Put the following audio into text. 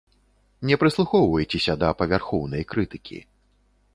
Не прыслухоўвайцеся да павярхоўнай крытыкі.